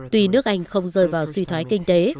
tuy nước anh không rơi vào suy thoái kinh tế